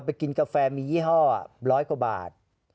ลับไปกินกาแฟมียี่ห้อร้อยกว่าบัตร